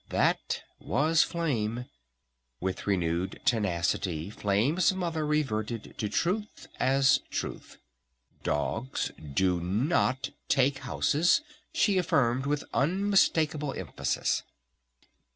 That was Flame!" With renewed tenacity Flame's Mother reverted to Truth as Truth. "Dogs do not take houses!" she affirmed with unmistakable emphasis.